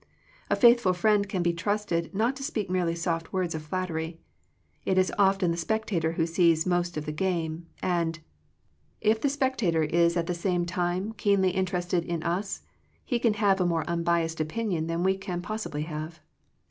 A faithful friend can be trusted not to speak merely soft words of flattery. It is often the spectator who sees most of the game, and, if the spectator is at the 75 Digitized by VjOOQIC THE FRUITS OF FRIENDSHIP same time keenly interested in us, he can have a more unbiased opinion than we can possibly have.